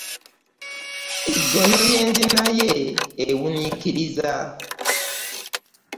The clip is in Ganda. Eggono lye, enzina ye ewuniikiriza.